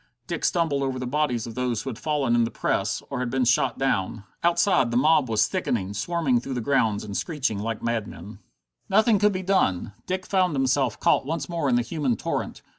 Dick stumbled over the bodies of those who had fallen in the press, or had been shot down. Outside the mob was thickening, swarming through the grounds and screeching like madmen. Nothing that could be done! Dick found himself caught once more in the human torrent.